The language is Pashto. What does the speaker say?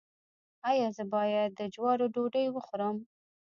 ایا زه باید د جوارو ډوډۍ وخورم؟